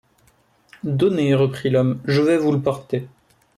Donnez, reprit l’homme, je vais vous le porter.